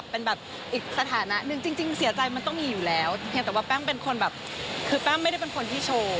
เพียงแต่ว่าแป้งเป็นคนแบบคือแป้งไม่ได้เป็นคนที่โชว์